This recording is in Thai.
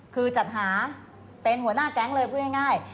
คือจัดหาเป็นหัวหน้าแก๊งเลยพูดง่าย